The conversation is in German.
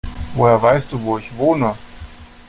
Woher weißt du, wo ich wohne?